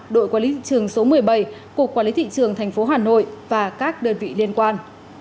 đội quản lý thị trường số một mươi bảy cục quản lý thị trường tp hà nội và các đơn vị liên quan